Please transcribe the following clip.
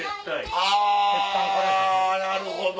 あぁなるほど。